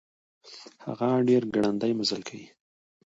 هغه ډير ګړندی مزل کوي.